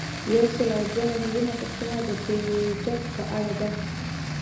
یو سل او دوه نوي یمه پوښتنه د بیجک په اړه ده.